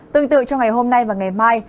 tương tự trong ngày hôm nay và ngày mai